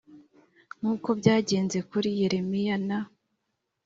Nk uko byagenze kuri yeremiya na